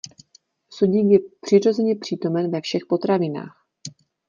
Sodík je přirozeně přítomen ve všech potravinách.